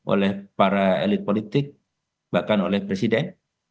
oleh para elit politik bahkan oleh presiden